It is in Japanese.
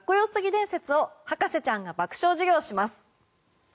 伝説を博士ちゃんが爆笑授業します！